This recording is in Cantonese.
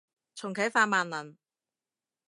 重啟法萬能